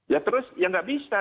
ya terus ya nggak bisa